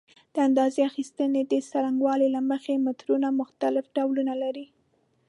د اندازه اخیستنې د څرنګوالي له مخې مترونه مختلف ډولونه لري.